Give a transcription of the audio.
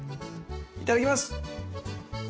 いただきます。